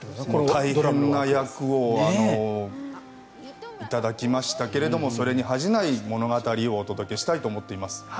大変な役を頂きましたけれどもそれに恥じない物語をお届けしたいと思っております。